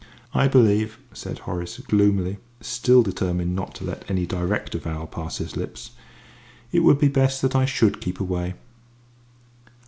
"I believe," said Horace, gloomily, still determined not to let any direct avowal pass his lips, "it would be best that I should keep away."